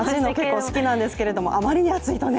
結構好きなんですけれども、あまりに暑いとね